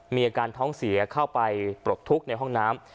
มีอาการท้องเสียเข้าไปปลดทุกข์ในห้องน้ำ